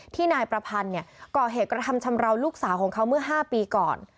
นายประพันธ์ก่อเหตุกระทำชำราวลูกสาวของเขาเมื่อ๕ปีก่อน